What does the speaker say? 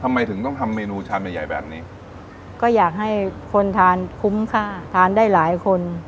ทำไมถึงต้องทำเมนูชามใหญ่ใหญ่แบบนี้ก็อยากให้คนทานคุ้มค่าทานได้หลายคน